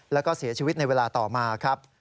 แล้วก็เสียชีวิตในเวลาต่อมาครับ